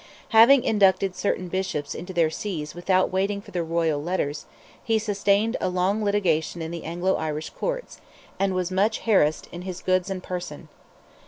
Having inducted certain Bishops into their sees without waiting for the royal letters, he sustained a long litigation in the Anglo Irish courts, and was much harassed in his goods and person.